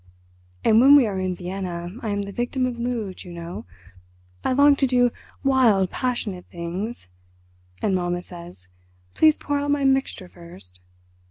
And when we are in Vienna I am the victim of moods, you know. I long to do wild, passionate things. And mamma says, 'Please pour out my mixture first.